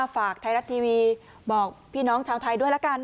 ฝากไทยรัฐทีวีบอกพี่น้องชาวไทยด้วยละกัน